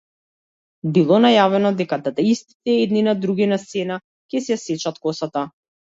Било најавено дека дадаистите едни на други, на сцена, ќе си ја сечат косата.